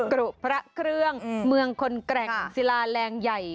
กรุพระเครื่องเมืองคนแกร่งศิลาแรงใหญ่